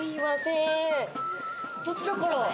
どちらから？